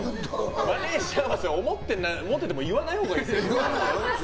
マネジャーも思ってても言わないほうがいいです。